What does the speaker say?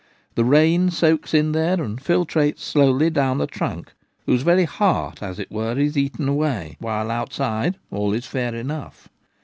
The rain soaks in there, and filtrates slowly down the trunk, whose very heart as it were is eaten away, while outside all is fair enough.